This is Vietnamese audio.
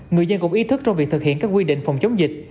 người dân cũng ý thức trong việc thực hiện các quy định phòng chống dịch